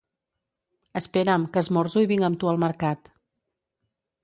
Espera'm, que esmorzo i vinc amb tu al mercat